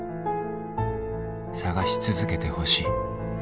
探し続けてほしい。